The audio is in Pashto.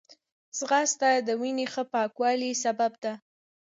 ځغاسته د وینې ښه پاکوالي سبب ده